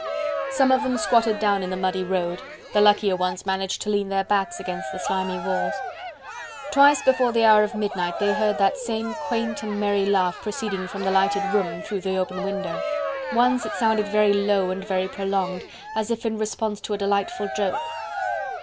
Some of them squatted down in the muddy road, the luckier ones managed to lean their backs against the slimy walls. Twice before the hour of midnight they heard that same quaint and merry laugh proceeding from the lighted room, through the open window. Once it sounded very low and very prolonged, as if in response to a delightful joke.